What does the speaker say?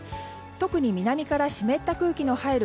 特に南から湿った空気の入る